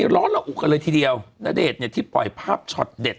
ร้อนระอุกันเลยทีเดียวณเดชน์เนี่ยที่ปล่อยภาพช็อตเด็ด